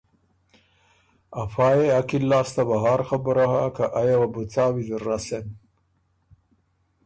افا يې عقل لاسته بهر خبُره هۀ که ائ یه وه بُو څا ویزر رسېن۔